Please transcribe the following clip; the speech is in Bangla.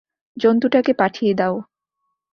জন্তুটাকে পাঠিয়ে দাও।